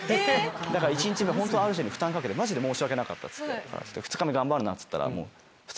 だから１日目ホントＲ−指定に負担かけて「マジで申し訳なかった」っつって「２日目頑張るな」っつったら。